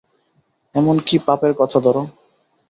এমন কি, পাপের কথা ধর।